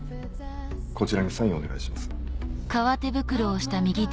こちらにサインをお願いします。